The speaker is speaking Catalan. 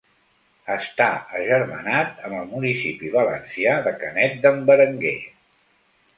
Està agermanat amb el municipi valencià de Canet d'en Berenguer.